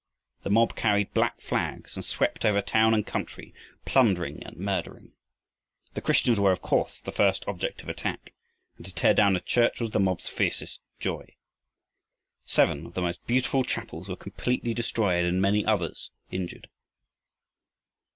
The mob carried black flags and swept over town and country, plundering and murdering. The Christians were of course the first object of attack, and to tear down a church was the mob's fiercest joy. Seven of the most beautiful chapels were completely destroyed and many others injured.